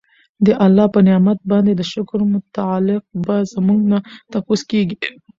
د الله په نعمت باندي د شکر متعلق به زمونږ نه تپوس کيږي